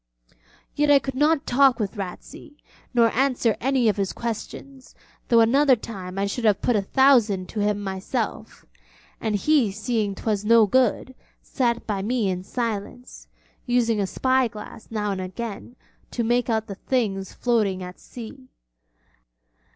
Yet I could not talk with Ratsey, nor answer any of his questions, though another time I should have put a thousand to him myself; and he seeing 'twas no good sat by me in silence, using a spy glass now and again to make out the things floating at sea.